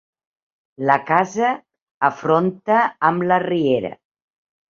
La casa afronta amb la riera.